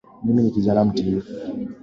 Mimi ni kijana mtiifu